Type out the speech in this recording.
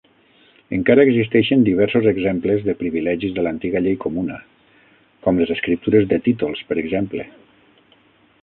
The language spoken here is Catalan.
Encara existeixen diversos exemples de privilegis de l'antiga llei comuna, com les escriptures de títols, per exemple.